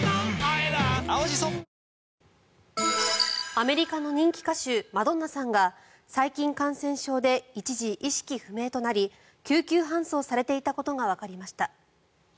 アメリカの人気歌手マドンナさんが細菌感染症で一時、意識不明となり救急搬送されていたことがわかりました。